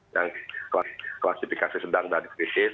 yang klasifikasi sedang dan kritis